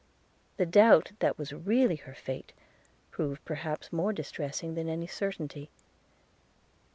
The doubt of what was really her fate, proved perhaps more distressing than any certainty.